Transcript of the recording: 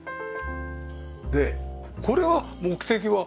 これは目的は？